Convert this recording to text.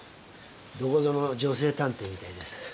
どこぞの女性探偵みたいです。